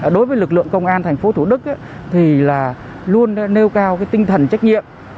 đối với lực lượng công an thành phố thủ đức thì là luôn nêu cao tinh thần trách nhiệm